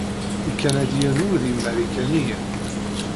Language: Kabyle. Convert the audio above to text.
Ikanadiyen ur d imarikaniyen.